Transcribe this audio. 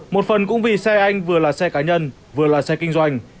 một phần cũng vì xe anh vừa là xe cá nhân vừa là xe kinh doanh